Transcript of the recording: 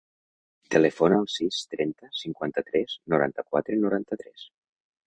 Telefona al sis, trenta, cinquanta-tres, noranta-quatre, noranta-tres.